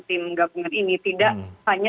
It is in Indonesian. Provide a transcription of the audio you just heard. tim gabungan ini tidak hanya